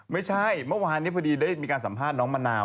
ไม่ใช่เมื่อวานได้มีการสัมภาษณ์น้องมะนาว